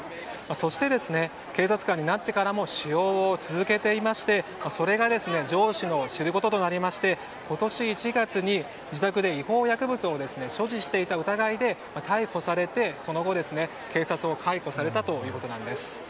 そして、警察官になってからも使用を続けていましてそれが上司の知ることとなりまして今年１月に自宅で違法薬物を所持していた疑いで逮捕されてその後、警察を解雇されたということです。